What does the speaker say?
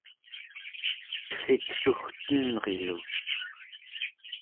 teggiksugtenrilu!